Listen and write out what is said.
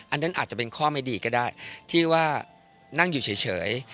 อันนั้นอาจจะเป็นข้อไม่ดีก็ได้ที่ว่านั่งอยู่เฉย